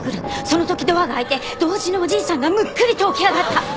その時ドアが開いて同時におじいさんがむっくりと起き上がった。